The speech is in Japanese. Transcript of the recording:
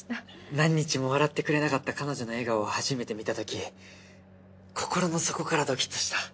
何日も笑ってくれなかった彼女の笑顔を初めて見たとき心の底からドキッとした。